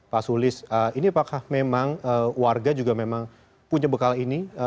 pak sulis ini apakah memang warga juga memang punya bekal ini